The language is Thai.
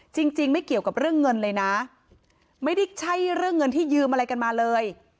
จริงจริงไม่เกี่ยวกับเรื่องเงินเลยนะไม่ได้ใช่เรื่องเงินที่ยืมอะไรกันมาเลย